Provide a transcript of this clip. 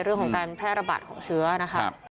เรื่องของการแพร่ระบาดของเชื้อนะครับ